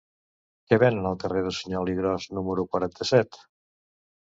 Què venen al carrer de Suñol i Gros número quaranta-set?